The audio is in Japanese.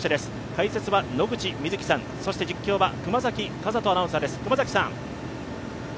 解説は野口みずきさん、実況は熊崎風斗アナウンサーです。